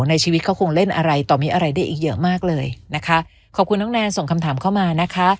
ในชีวิตเขาคงเล่นอะไรต่อมีอะไรได้อีกเยอะมากเลยนะคะขอบคุณน้องแนนส่งคำถามเข้ามานะคะ